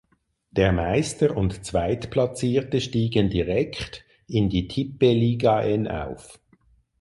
Der Meister und Zweitplatzierte stiegen direkt in die Tippeligaen auf.